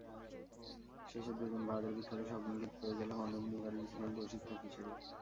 শেষের দুদিন ভারতের বিখ্যাত সংগীত পরিচালক অনুপ মুখার্জি ছিলেন প্রশিক্ষক হিসেবে।